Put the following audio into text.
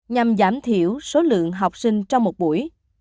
nhằm giảm thiểu số lượng học sinh trong một buổi